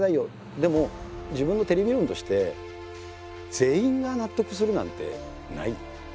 でも自分のテレビ論として全員が納得するなんてない」。